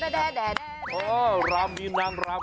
เริ่มรามมีนางราม